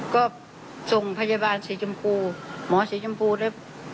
ก็ส่งพยาบาลเศรษฐ์จำพูหมอเศรษฐ์จำพูแล้ว